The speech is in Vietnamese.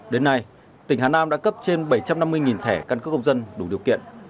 đến nay tỉnh hà nam đã cấp trên bảy trăm năm mươi thẻ căn cước công dân đủ điều kiện